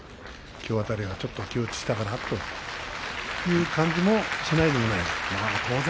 きょう辺りはちょっと気落ちがしたかなという感じがしないではありません。